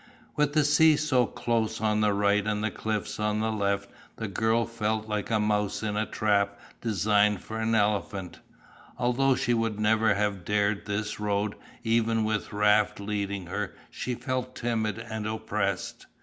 With the sea so close on the right and the cliffs on the left the girl felt like a mouse in a trap designed for an elephant. Alone she would never have dared this road, even with Raft leading her she felt timid and oppressed.